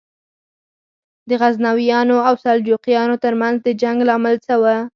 د غزنویانو او سلجوقیانو تر منځ د جنګ لامل څه و؟